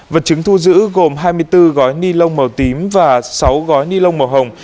vật chứng thu giữ gồm hai mươi bốn gói ni lông màu tím và sáu gói ni lông màu hồng